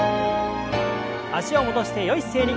脚を戻してよい姿勢に。